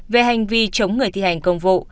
về hành vi chống người thi hành công vụ